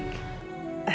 emak besok libur aja ya